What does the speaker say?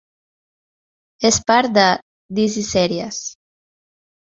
És part de "Dizzy series".